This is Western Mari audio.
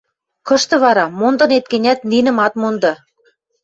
Кышты вара, мондынет гӹнят, нинӹм ат монды.